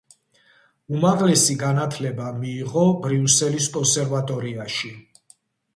უმაღლესი განათლება მიიღო ბრიუსელის კონსერვატორიაში.